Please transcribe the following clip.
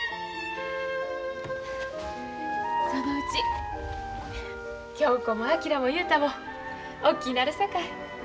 そのうち恭子も昭も雄太も大きいなるさかい。